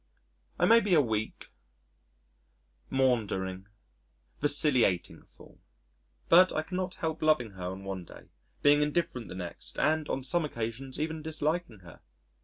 I may be a weak, maundering, vacillating fool but I cannot help loving her on one day, being indifferent the next and on some occasions even disliking her....